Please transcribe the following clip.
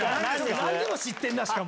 何でも知ってんなしかも。